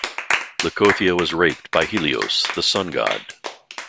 Leucothea was raped by Helios, the sun god.